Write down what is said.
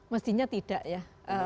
mestinya tidak ya